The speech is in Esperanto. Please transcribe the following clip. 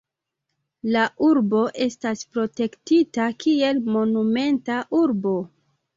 La urbo estas protektita kiel Monumenta Urbo.